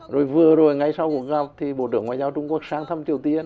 rồi vừa rồi ngay sau cuộc gặp thì bộ trưởng ngoại giao trung quốc sang thăm triều tiên